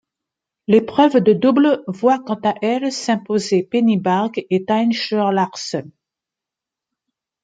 L'épreuve de double voit quant à elle s'imposer Penny Barg et Tine Scheuer-Larsen.